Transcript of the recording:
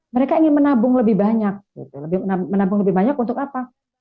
mereka ingin menabung lebih banyak menabung lebih banyak untuk apa